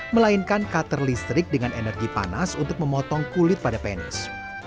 melainkan cutter listrik dengan energi panas untuk memotong kulit pada penis